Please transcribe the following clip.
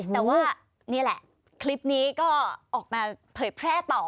แต่ว่านี่แหละคลิปนี้ก็ออกมาเผยแพร่ต่อ